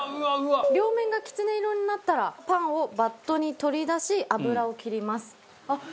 両面がきつね色になったらパンをバットに取り出し油を切ります。